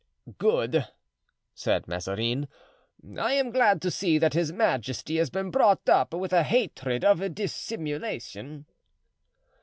"Good," said Mazarin, "I am glad to see that his majesty has been brought up with a hatred of dissimulation."